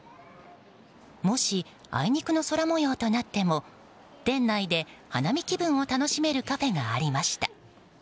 もしあいにくの空模様となっても店内で花見気分を楽しめるカフェがありました。